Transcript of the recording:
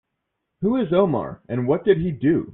Who is Omar and what did he do?